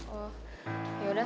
oh ya sudah